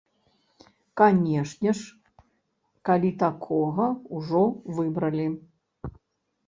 Канешне ж, калі такога ўжо выбралі.